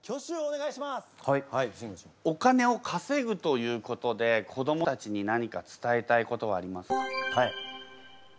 お金を稼ぐということで子どもたちに何か伝えたいことはありますか？